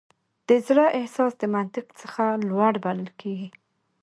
د زړه احساس د منطق څخه لوړ بلل کېږي.